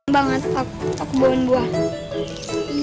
banget pak aku bohong buah